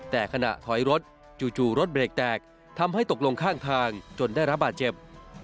แต่ขณะถอยรถจู่รถเบรกแตกทำให้ตกลงข้างทางจนได้รับบาดเจ็บ